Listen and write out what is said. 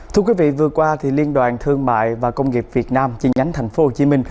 thưa quý vị vừa qua liên đoàn thương mại và công nghiệp việt nam chi nhánh tp hcm